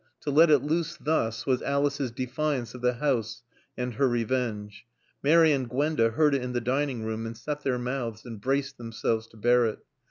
To let it loose thus was Alice's defiance of the house and her revenge. Mary and Gwenda heard it in the dining room, and set their mouths and braced themselves to bear it.